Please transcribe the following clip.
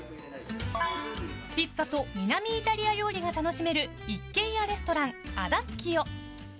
ピッツァと南イタリア料理が楽しめる一軒家レストラン、アダッキオ。